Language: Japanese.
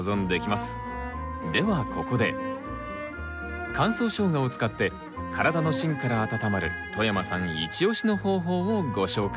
ではここで乾燥ショウガを使って体の芯から温まる外山さんイチオシの方法をご紹介。